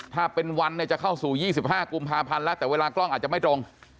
ถ้าเป็นวันเนี่ยจะเข้าสู่๒๕กุมภาพันธ์แล้วแต่เวลากล้องอาจจะไม่ตรง